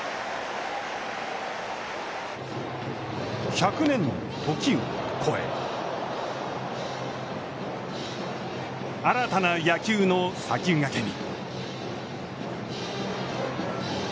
１００年のときを超え新たな野球の先駆けに。